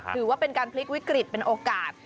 ถือว่าเป็นการพลิกวิกฤตเป็นโอกาส